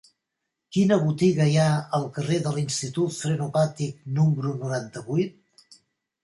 Quina botiga hi ha al carrer de l'Institut Frenopàtic número noranta-vuit?